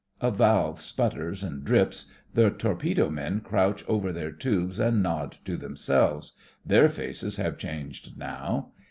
(A valve sputters and drips, the torpedo men crouch over their tubes and nod to themselves. Their faces have changed now.)